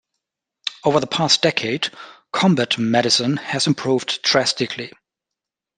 Over the past decade combat medicine has improved drastically.